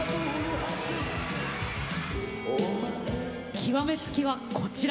極め付きは、こちら。